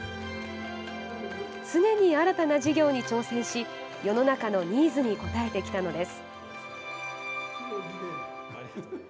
常に新たな事業に挑戦し世の中のニーズに応えてきたのです。